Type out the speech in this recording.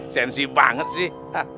sensi banget sih